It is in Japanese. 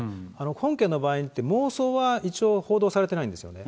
本件の場合って、妄想は一応報道されていないんですよね。